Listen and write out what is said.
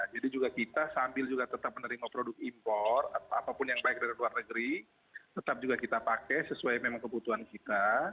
jadi juga kita sambil juga tetap menerima produk impor apapun yang baik dari luar negeri tetap juga kita pakai sesuai memang kebutuhan kita